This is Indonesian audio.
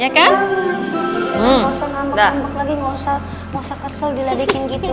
gak usah ngambak ngambak lagi gak usah kesel diladekin gitu